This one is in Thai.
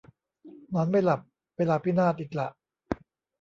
นอนไม่หลับ เวลาพินาศอีกละ